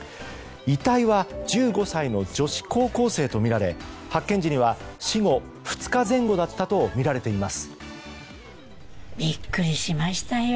遺体は１５歳の女子高校生とみられ発見時には死後２日前後だったとみられています。